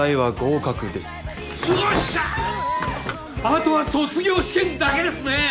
あとは卒業試験だけですね。